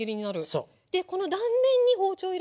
そう。